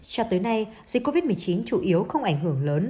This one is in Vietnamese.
cho tới nay dịch covid một mươi chín chủ yếu không ảnh hưởng lớn